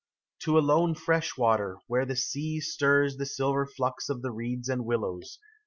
To a lone freshwater, where the sea Stirs the silver flux of the reeds and willows.